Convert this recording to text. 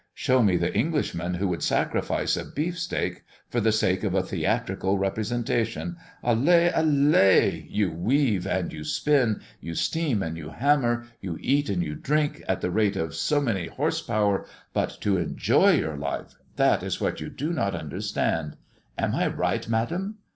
Show me the Englishman who would sacrifice a beefsteak for the sake of a theatrical representation. Allez! allez! You weave, and you spin, you steam and you hammer, you eat and you drink, at the rate of so many horse power, but to enjoy your life, that is what you do not understand. Am I right, madam?"